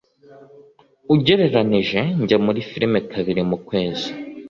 Ugereranije, njya muri firime kabiri mu kwezi.